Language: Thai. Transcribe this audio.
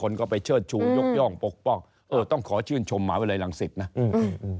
ยกย่องปกป้องเออต้องขอชื่นชมหมาวิรัยลังศิษฐ์นะอืมอืม